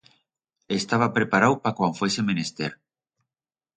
Estaba preparau pa cuan fuese menester.